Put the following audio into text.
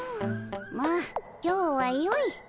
まあ今日はよい。